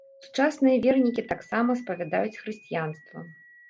Сучасныя вернікі таксама спавядаюць хрысціянства.